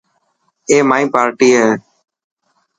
اي مائي پارٽي هي.